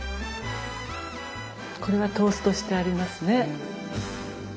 これはトーストしてありますね。